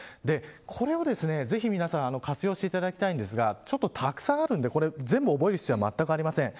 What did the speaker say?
これを、ぜひ皆さん活用していただきたいんですがたくさんあるので全部覚える必要はまったくありません。